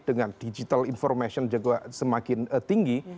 dengan digital information juga semakin tinggi